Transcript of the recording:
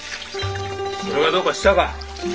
それがどうかしたか？